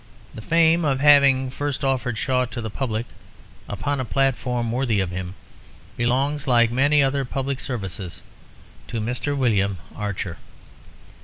The fame of having first offered Shaw to the public upon a platform worthy of him belongs, like many other public services, to Mr. William Archer.